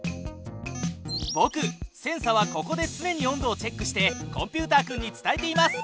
ぼくセンサはここでつねに温度をチェックしてコンピュータ君に伝えています。